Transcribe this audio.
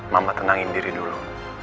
mama tenangin diri dulu